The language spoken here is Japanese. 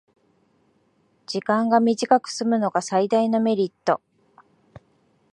時間が短くすむのが最大のメリット